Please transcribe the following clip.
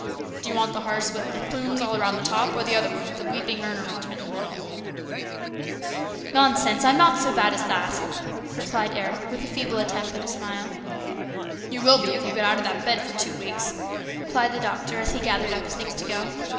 Do you want the hearse with the black plumes all round the top, or the other one with the weeping urn arrangement in the middle ?"" Nonsense ! I'm not so bad as that !" replied Eric with a feeble attempt at a smile. " You will be if you get out of that bed for two weeks," replied the doctor as he gathered up his A CHANGE. 101 things to go.